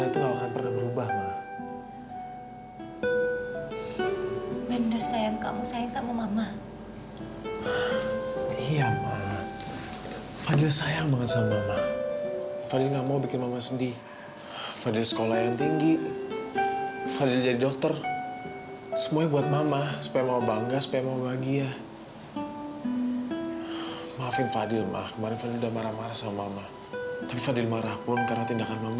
tolong dokter serahkan